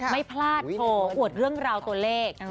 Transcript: ไม่พลาดโชว์อวดเรื่องราวตัวเลข